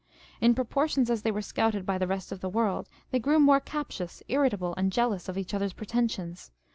In proportion as they were scouted by the rest of the world, they grew more captious, irritable, and jealous of each other's pretensions.